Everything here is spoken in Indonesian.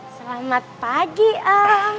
selamat pagi om